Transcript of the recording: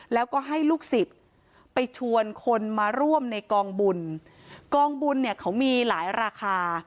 แล้วก็ให้ลูกศิษย์ไปชวนคนมาร่วมในกองบุญกองบุญเนี่ยเขามีหลายราคา